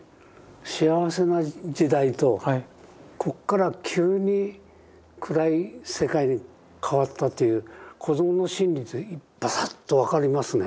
幸せな時代とここから急に暗い世界に変わったという子どもの心理ばさっと分かりますね。